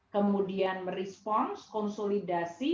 kemudian merespons konsolidasi